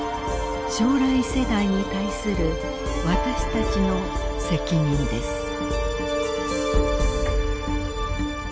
将来世代に対する私たちの責任です。